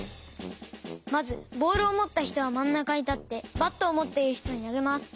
まずボールをもったひとはまんなかにたってバットをもっているひとになげます。